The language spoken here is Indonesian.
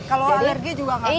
kalau alergi juga nggak